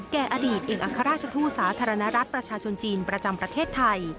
แก่อดีตเอกอัครราชทูตสาธารณรัฐประชาชนจีนประจำประเทศไทย